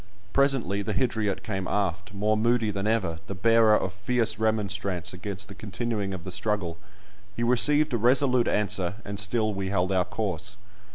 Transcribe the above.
Presently the Hydriot came aft, more moody than ever, the bearer of fierce remonstrance against the continuing of the struggle; he received a resolute answer, and still we held our course.